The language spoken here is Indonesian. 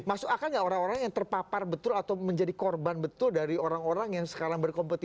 masuk akal nggak orang orang yang terpapar betul atau menjadi korban betul dari orang orang yang sekarang berkompetisi